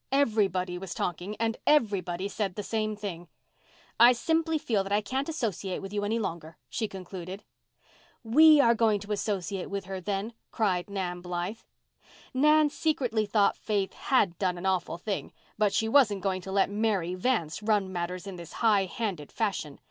"Everybody" was talking, and "everybody" said the same thing. "I simply feel that I can't associate with you any longer," she concluded. "We are going to associate with her then," cried Nan Blythe. Nan secretly thought Faith had done a awful thing, but she wasn't going to let Mary Vance run matters in this high handed fashion.